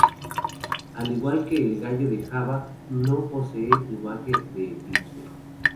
Al igual que el gallo de Java, no posee plumaje de eclipse.